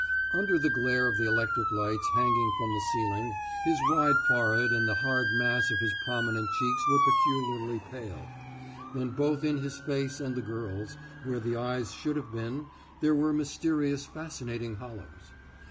Under the glare of the electric lights hanging from the ceiling his wide forehead and the hard mass of his prominent cheeks were peculiarly pale; and both in his face and the girl's, where the eyes should have been, there were mysterious, fascinating hollows.